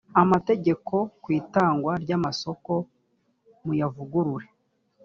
amategeko ku itangwa ry amasoko muyavugurure.